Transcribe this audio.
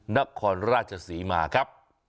นครราชศรีมาครับ